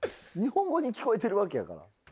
日本語に聞こえてるわけやから。